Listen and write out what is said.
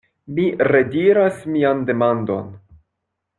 Mi rediras mian demandon.